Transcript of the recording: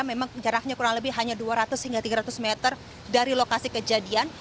memang jaraknya kurang lebih hanya dua ratus hingga tiga ratus meter dari lokasi kejadian